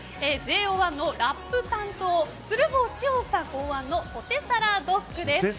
ＪＯ１のラップ担当鶴房汐恩さん考案のポテサラドッグです。